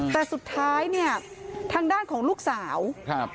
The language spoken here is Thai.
แต่สุดท้ายเนี่ยทางด้านของลูกสาวครับ